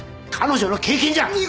彼女の経験じゃ。